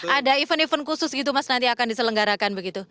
ada event event khusus gitu mas nanti akan diselenggarakan begitu